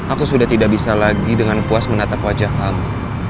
aku sudah tidak bisa lagi dengan puas menatap wajah kamu